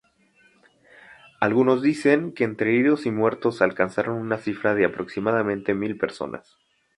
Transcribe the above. Algunos dicen que entre heridos y muertos alcanzaron una cifra de aproximadamente mil personas.